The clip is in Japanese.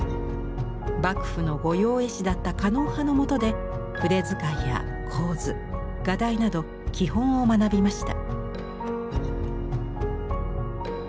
幕府の御用絵師だった狩野派のもとで筆遣いや構図画題など基本を学びました。